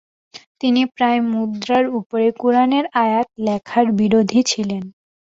তিনি প্রায় মুদ্রার উপরে কোরআনের আয়াত লেখার বিরোধী ছিলেন।